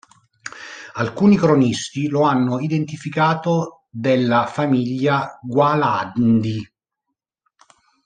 Alcuni cronisti lo hanno identificato della famiglia Gualandi